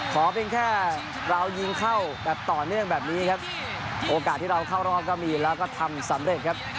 ขอเป็นแค่เรายิงเข้าแบบต่อเนื่องแบบนี้ครับโอกาสที่เราเข้ารอบก็มีแล้วก็ทำสำเร็จครับ